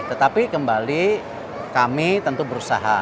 tetapi kembali kami tentu berusaha